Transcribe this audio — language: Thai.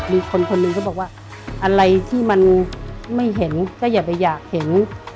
มีคนคนหนึ่งเขาบอกว่าอะไรที่มันไม่เห็นก็อย่าไปอยากเห็น